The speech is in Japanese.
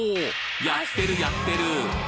やってるやってる！